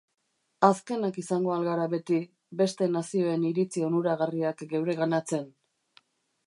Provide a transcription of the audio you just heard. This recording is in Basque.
Azkenak izango al gara beti, beste nazioen iritzi onuragarriak geureganatzen?